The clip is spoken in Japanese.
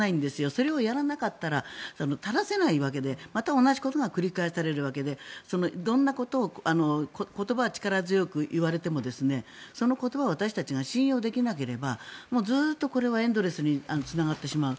それをやらなかったら正せないわけでまた同じことが繰り返されるわけで色んなことを言葉は力強く言われてもその言葉を私たちが信用できなければこれはずっとエンドレスにつながってしまう。